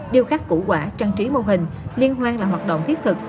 điêu khắc củ quả trang trí mô hình liên hoan là hoạt động thiết thực